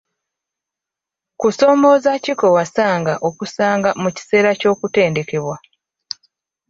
Kusoomooza ki kwe wasanga okusanga mu kiseera ky'okutendekebwa?